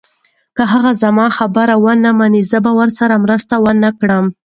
که هغه زما خبره ونه مني، زه به ورسره مرسته ونه کړم.